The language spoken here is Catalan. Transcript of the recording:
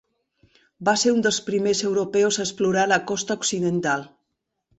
Va ser un dels primers europeus a explorar la costa occidental.